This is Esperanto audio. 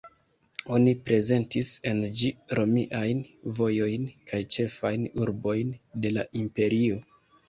Oni prezentis en ĝi romiajn vojojn kaj ĉefajn urbojn de la Imperio.